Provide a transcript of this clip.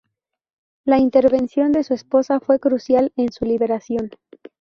La intervención de su esposa fue crucial en su liberación.